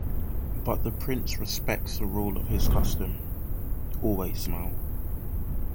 But the prince respects the rule of his custom: always smile.